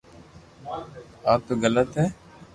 آ تو غلط ھي